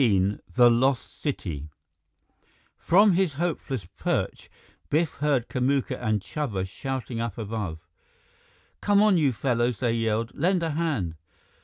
XIX The Lost City From his hopeless perch, Biff heard Kamuka and Chuba shouting up above. "Come on, you fellows!" they yelled. "Lend a hand!"